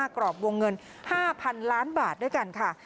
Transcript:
กรอบวงเงิน๕๐๐๐ล้านบาทด้วยกันค่ะ